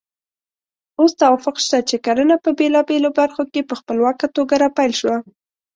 اوس توافق شته چې کرنه په بېلابېلو برخو کې په خپلواکه توګه راپیل شوه.